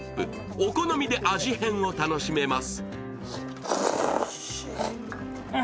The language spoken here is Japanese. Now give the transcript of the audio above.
お好みで味変を楽しめます。